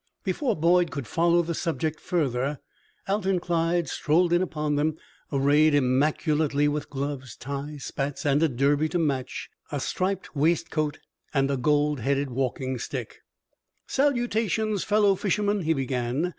Before Boyd could follow the subject further, Alton Clyde strolled in upon them, arrayed immaculately, with gloves, tie, spats, and a derby to match, a striped waistcoast, and a gold headed walking stick. "Salutations, fellow fishermen!" he began.